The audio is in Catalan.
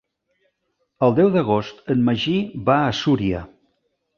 El deu d'agost en Magí va a Súria.